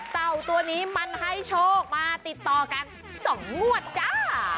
เต่าตัวนี้มันให้โชคมาติดต่อกัน๒งวดจ้า